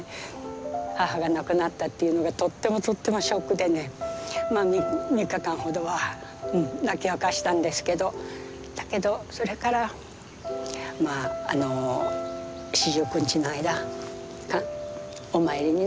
母が亡くなったっていうのがとってもとってもショックでね３日間ほどは泣き明かしたんですけどだけどそれからまあ四十九日の間お参りにね